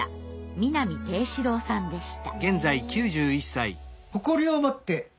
南定四郎さんでした。